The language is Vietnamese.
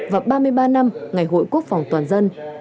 và ba mươi ba năm ngày hội quốc phòng toàn dân